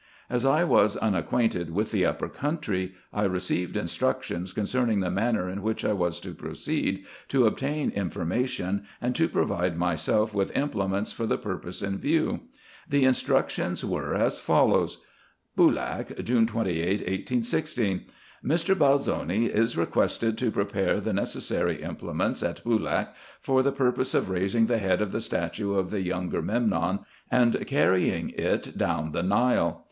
As I was unacquainted with the upper country, I received instructions concerning the manner in which I was to proceed, to obtain information, and to provide myself with implements for the purpose in view. The instructions were as follow :" Boolak, June 28, 1816. " Mr. Belzoni is requested to prepare the necessary implements, at Boolak, for the purpose of raising the head of the statue of the younger Memnon, and carrying it down the Nile.